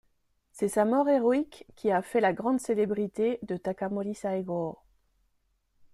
C'est sa mort héroïque qui a fait la grande célébrité de Takamori Saigō.